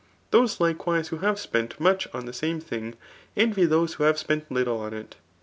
Those likewise who have spent much on the same thing, envy those who have ^sp^nt little on it.